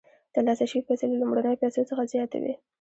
ترلاسه شوې پیسې له لومړنیو پیسو څخه زیاتې وي